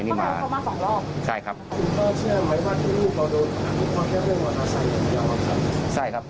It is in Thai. ก็ได้พลังเท่าไหร่ครับ